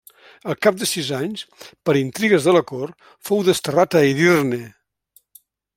Al cap de sis anys, per intrigues de la cort, fou desterrat a Edirne.